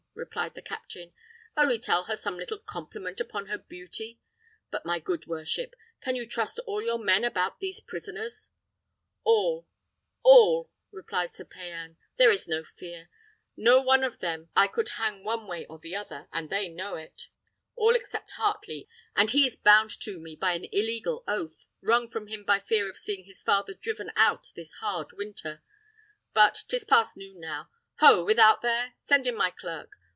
replied the captain, "only tell her some little compliment upon her beauty. But, my good worship, can you trust all your men about these prisoners?" "All! all!" replied Sir Payan. "There is no fear. No one of them but I could hang one way or another, and they know it. All except Heartley, and he is bound to me by an illegal oath, wrung from him by fear of seeing his father driven out this hard winter. But 'tis past noon now. Ho! without there! Send in my clerk.